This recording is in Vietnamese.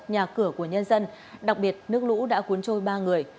nhân dân đặc biệt nước lũ đã cuốn trôi ba người